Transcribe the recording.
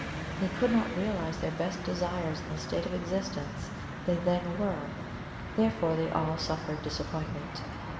They could not realize their best desires in the state of existence they then were, therefore they all suffered disappointment.